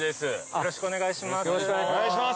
よろしくお願いします。